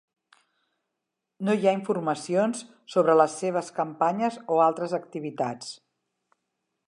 No hi ha informacions sobre les seves campanyes o altres activitats.